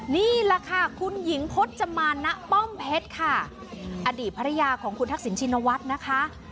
นี่แหละค่ะคุณหญิงพจมาณป้อมเพชรค่ะอดีตภรรยาของคุณทักษิณชินวัฒน์นะคะ